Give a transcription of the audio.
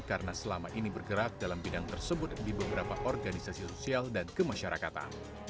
karena selama ini bergerak dalam bidang tersebut di beberapa organisasi sosial dan kemasyarakatan